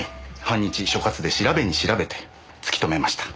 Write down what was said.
半日所轄で調べに調べて突き止めました